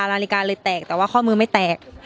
นาฬิกาเลยแตกแต่ว่าข้อมือไม่แตก